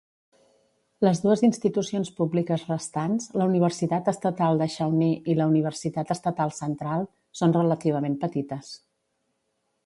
Les dues institucions públiques restants (la Universitat Estatal de Shawnee i la Universitat Estatal Central) són relativament petites.